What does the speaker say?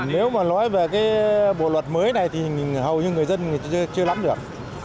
nếu mà nói về cái bộ luật mới này thì hầu như người dân người chưa lắm được